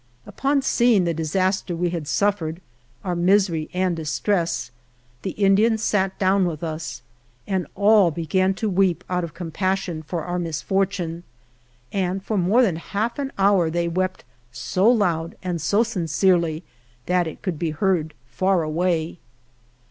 Upon seeing the disaster we had suffered, our misery and distress, the Indians sat down with us and all began to weep out of compassion for our misfortune, and for more than half an hour they wept so loud and so sincerely that it could be heard far away.